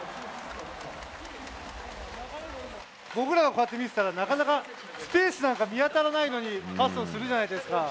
僕らがこうやって見てたら、なかなかスペースなんか見当たらないのに、パスをするじゃないですか。